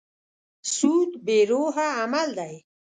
سود بې روحه عمل دی.